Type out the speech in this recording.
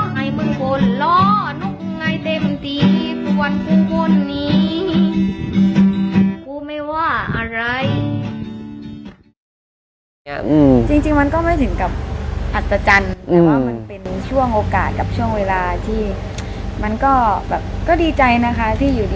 ไหนมึงโบนหล่อหนูกูไงเตะมันดีทุกวันมึงโบนนี้กูไม่ว่าอะไร